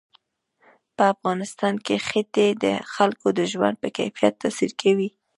په افغانستان کې ښتې د خلکو د ژوند په کیفیت تاثیر کوي.